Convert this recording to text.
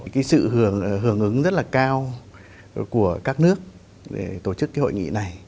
cái sự hưởng ứng rất là cao của các nước để tổ chức cái hội nghị này